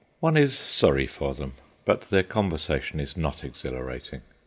One is sorry for them, but their conversation is not exhilarating.